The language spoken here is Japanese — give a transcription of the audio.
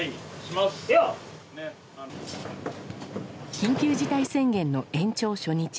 緊急事態宣言の延長初日。